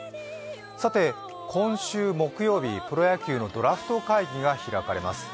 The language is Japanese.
さて、今週木曜日、プロ野球のドラフト会議が開かれます。